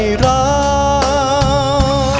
ยังเพราะความสำคัญ